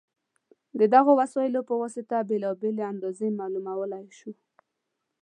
د دغو وسایلو په واسطه بېلابېلې اندازې معلومولی شو.